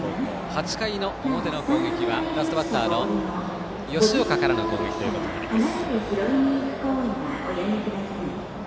８回の表の攻撃はラストバッターの吉岡からの攻撃となります。